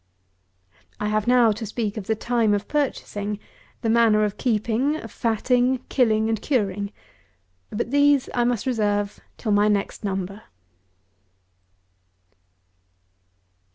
I have now to speak of the time of purchasing, the manner of keeping, of fatting, killing, and curing; but these I must reserve till my next Number.